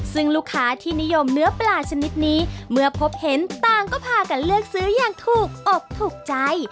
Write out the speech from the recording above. ซึ่งลูกค้าที่นิยมเนื้อปลาชนิดนี้เมื่อพบเห็นต่างก็พากันเลือกซื้ออย่างถูกอกถูกใจ